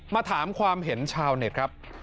มาถามความเห็นชาวเน็ตครับ